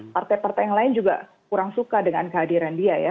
partai partai yang lain juga kurang suka dengan kehadiran dia ya